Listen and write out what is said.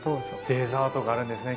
デザートがあるんですね